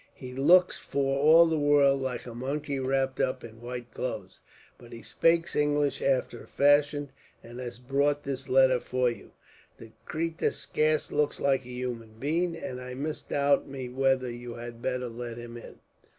He looks for all the world like a monkey, wrapped up in white clothes, but he spakes English after a fashion, and has brought this letter for you. The cratur scarce looks like a human being, and I misdoubt me whether you had better let him in."